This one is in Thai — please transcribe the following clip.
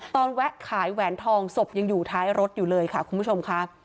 แวะขายแหวนทองศพยังอยู่ท้ายรถอยู่เลยค่ะคุณผู้ชมค่ะ